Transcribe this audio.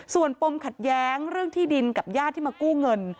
ส่วนปมขัดแย้งเรื่องที่ดินกับญาติที่มากู้เงิน